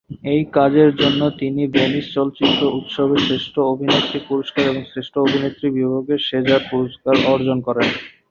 এই কাজের জন্য তিনি ভেনিস চলচ্চিত্র উৎসবের শ্রেষ্ঠ অভিনেত্রীর পুরস্কার ও শ্রেষ্ঠ অভিনেত্রী বিভাগে সেজার পুরস্কার অর্জন করেন।